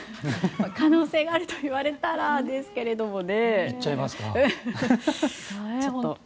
可能性があると言われたらですけれどもね。